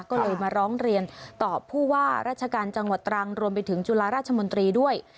ก็เลยมาร้องเรียนต่อผู้ว่าราชการจังหวัดตรังรวมไปถึงจุฬาราชมนตรีด้วย